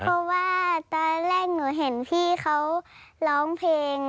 เพราะว่าตอนแรกหนูเห็นพี่เขาร้องเพลง